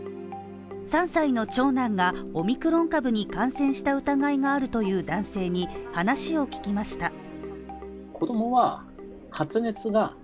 ３歳の長男がオミクロン株に感染した疑いがあるという男性に話を聞きました。